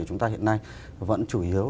của chúng ta hiện nay vẫn chủ yếu